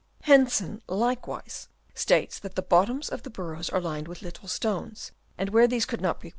Hensen likewise states that the bottoms of the burrows are lined with little stones ; and where these could not be.